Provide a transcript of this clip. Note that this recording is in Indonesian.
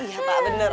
iya pak bener